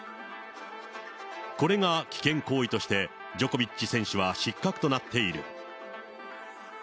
これが危険行為として、ジョコビッチ選手は失格となっている。